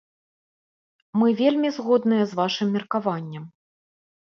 Мы вельмі згодныя з вашым меркаваннем.